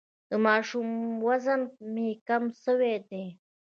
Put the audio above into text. د ماشوم وزن مي کم سوی دی.